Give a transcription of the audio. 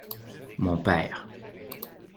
Mon père.